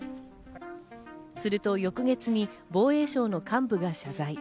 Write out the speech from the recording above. すると翌月に防衛省の幹部が謝罪。